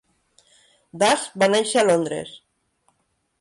Dash va néixer a Londres.